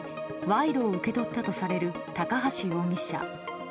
賄賂を受け取ったとされる高橋容疑者。